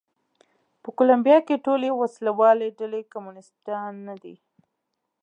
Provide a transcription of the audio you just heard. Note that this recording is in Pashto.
په کولمبیا کې ټولې وسله والې ډلې کمونېستان نه دي.